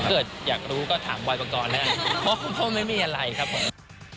ถ้าเกิดอยากรู้ก็ถามบอยปกรณ์แล้วกันเพราะว่าไม่มีอะไรครับผม